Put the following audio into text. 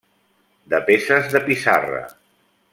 De peces de pissarra.